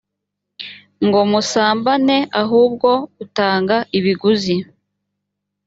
ngo musambane ahubwo utanga ibiguzi